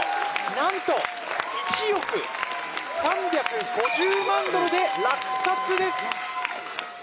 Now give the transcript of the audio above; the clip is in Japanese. なんと１億３５０万ドルで落札です！